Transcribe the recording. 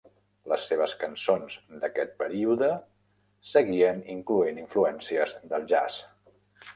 Les seves cançons d'aquest període seguien incloent influències del jazz.